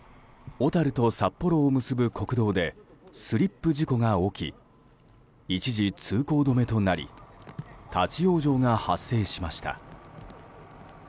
小樽と札幌を結ぶ国道でスリップ事故が起き一時、通行止めとなり立ち往生が発生しました。